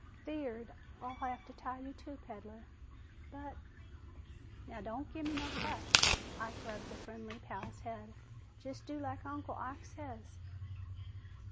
"'Feard I'll have to tie you too, peddler." "But " "Now don't gimme no fuss." Ike rubbed the friendly Pal's head. "Jest do like Uncle Ike says."